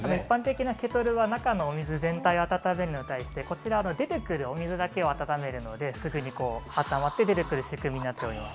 一般的なケトルは中のお水全体を温めるのに対して、こちらは出てくるお水だけを温めるので、すぐに温まって出てくるシステムになっています。